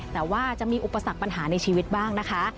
แต่ว่าจะมีอุปสรรคปัญหาในชีวิตบ้างนะคะ